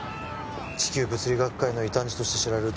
「地球物理学界の異端児として知られる」